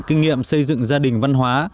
kinh nghiệm xây dựng gia đình văn hóa